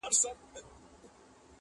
چي پرې ایښي چا و شاته هنري علمي آثار دي,